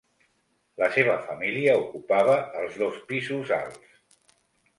La seva família ocupava els dos pisos alts.